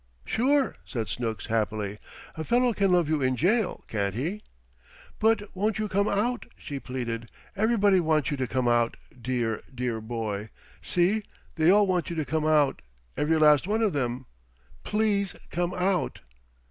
"Sure," said Snooks happily. "A fellow can love you in jail, can't he?" "But won't you come out?" she pleaded. "Everybody wants you to come out, dear, dear boy. See they all want you to come out. Every last one of them. Please come out."